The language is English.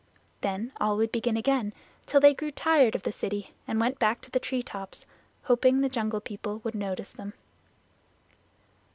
Then all would begin again till they grew tired of the city and went back to the tree tops, hoping the Jungle People would notice them.